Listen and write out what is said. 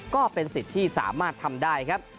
ก็เป็นสิทธิ์ที่สามารถทำได้ครับ